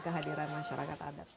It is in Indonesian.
kehadiran masyarakat adat